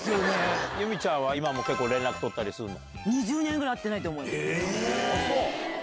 ゆみちゃんは今も結構連絡取ったりするの？